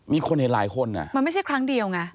มีคนเห็นหลายคน